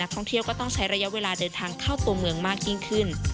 ท่องเที่ยวก็ต้องใช้ระยะเวลาเดินทางเข้าตัวเมืองมากยิ่งขึ้น